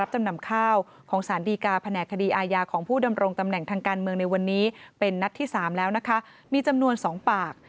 แหน่คดีอาญาของผู้ดำรงตำแหน่งทางการเมืองในวันนี้เป็นนัดที่๓แล้วนะคะมีจำนวน๒ปาก